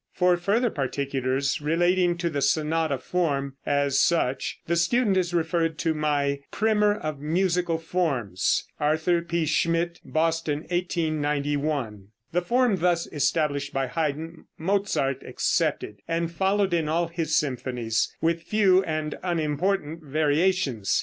For further particulars relating to the sonata form, as such, the student is referred to my "Primer of Musical Forms" (Arthur P. Schmidt, Boston, 1891). The form thus established by Haydn, Mozart accepted, and followed in all his symphonies, with few and unimportant variations.